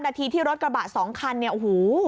นาทีที่รถกระบะ๒คันโอ้โห